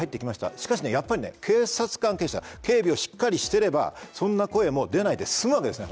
しかしやっぱり警察関係者警備をしっかりしてればそんな声も出ないで済むわけですね。